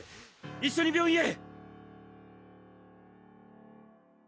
一緒に病院へ！